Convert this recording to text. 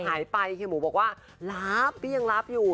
หายไปเฮียหมูบอกว่ารับก็ยังรับอยู่